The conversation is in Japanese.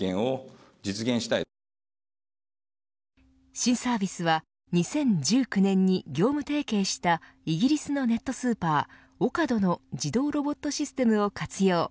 新サービスは２０１９年に業務提携したイギリスのネットスーパーオカドの自動ロボットシステムを活用。